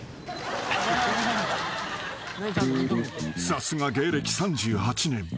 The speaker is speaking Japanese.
［さすが芸歴３８年］